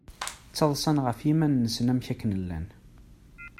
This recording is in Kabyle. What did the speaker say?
Ttaḍsan ɣef yiman-nsen amek akken llan.